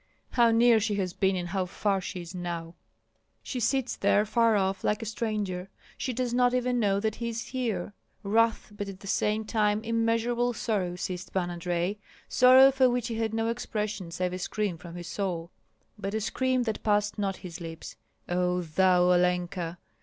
How near she has been and how far is she now!" She sits there far off, like a stranger; she does not even know that he is here. Wrath, but at the same time immeasurable sorrow seized Pan Andrei, sorrow for which he had no expression save a scream from his soul, but a scream that passed not his lips: "O thou Olenka!"